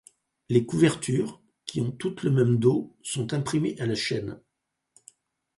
Les couvertures, qui ont toutes le même dos, sont imprimées à la chaîne.